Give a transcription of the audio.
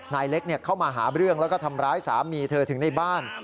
นายเล็กเข้ามาหาเรื่องแล้วก็ทำร้ายสามีเธอถึงในบ้าน